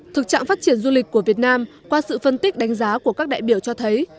thực trạng phát triển du lịch của việt nam qua sự phân tích đánh giá của các đại biểu cho thấy